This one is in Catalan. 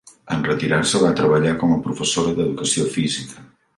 En retirar-se va treballar com a professora d'educació física.